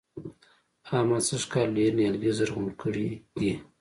احمد سږ کال ډېر نيالګي زرغون کړي دي.